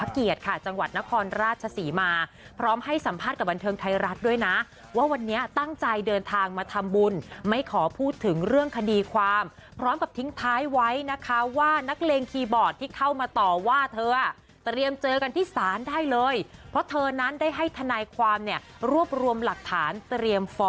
เกียรติค่ะจังหวัดนครราชศรีมาพร้อมให้สัมภาษณ์กับบันเทิงไทยรัฐด้วยนะว่าวันนี้ตั้งใจเดินทางมาทำบุญไม่ขอพูดถึงเรื่องคดีความพร้อมกับทิ้งท้ายไว้นะคะว่านักเลงคีย์บอร์ดที่เข้ามาต่อว่าเธอเตรียมเจอกันที่ศาลได้เลยเพราะเธอนั้นได้ให้ทนายความเนี่ยรวบรวมหลักฐานเตรียม